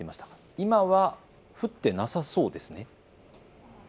今は降ってなさそうですね。